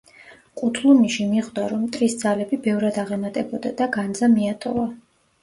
ყუთლუმიში მიხვდა, რომ მტრის ძალები ბევრად აღემატებოდა და განძა მიატოვა.